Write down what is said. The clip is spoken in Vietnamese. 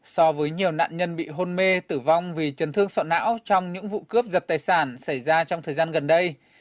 so với nhiều nạn nhân bị hôn mê tử vong vì chấn thương sọ não trong những vụ cướp giật tài sản xảy ra trong thời gian gần đây